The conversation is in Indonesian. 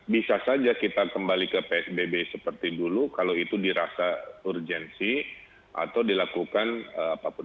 bisa saja kita kembali ke psbb seperti dulu kalau itu dirasa urgensi atau dilakukan apapun